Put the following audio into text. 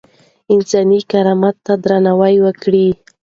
انساني کرامت ته درناوی وکړئ.